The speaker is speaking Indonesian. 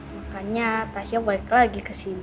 makanya tasya balik lagi kesini